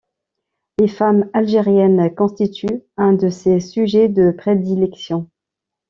Les femmes algériennes constituent un de ses sujets de prédilection.